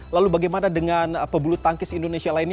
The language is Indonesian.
lalu bagaimana dengan pebulu tangkis indonesia lainnya